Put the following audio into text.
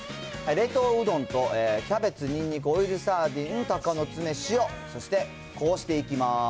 冷凍うどんと、キャベツ、ニンニク、オイルサーディン、たかのつめ、塩、そして、こうしていきます。